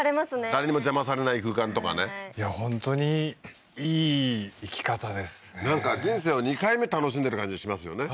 誰にも邪魔されない空間とかねいや本当にいい生き方ですねなんか人生を２回目楽しんでる感じしますよね